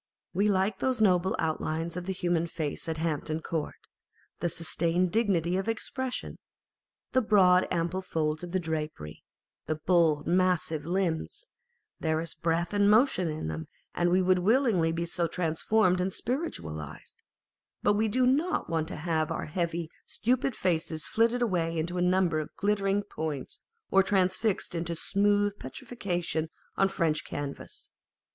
We like those noble outlines of the human face at Hampton Court ; the sustained dignity of expression ; the broad ample folds of the drapery ; the bold, massive limbs ; there is breath and motion in them, and we would willingly be so trans formed and spiritualised : but we do not want to have our Madame Pasta and Mademoiselle Mars. 463 heavy, stupid faces flittered away into a number of glitter ing points or transfixed into a smooth petrifaction on French canvas.